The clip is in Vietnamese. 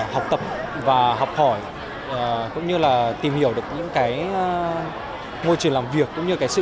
học tập và học hỏi cũng như là tìm hiểu được những cái môi trường làm việc cũng như cái sự